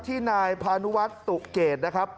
ที่นายพานุวัฒน์ตุเกตนะครับ